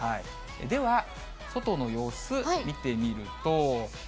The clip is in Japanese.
では、外の様子、見てみると。